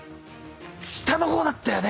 下の方だったよね？